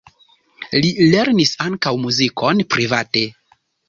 Li lernis ankaŭ muzikon private.